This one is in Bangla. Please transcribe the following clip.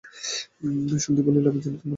সন্দীপ বললে, আমি জানি তোমার ও বাক্স গয়নার বাক্স।